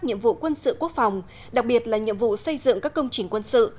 nhiệm vụ quân sự quốc phòng đặc biệt là nhiệm vụ xây dựng các công trình quân sự